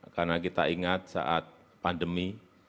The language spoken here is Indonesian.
karena kita ingat saat pandemi